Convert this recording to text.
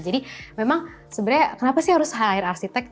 jadi memang sebenarnya kenapa sih harus hire arsitek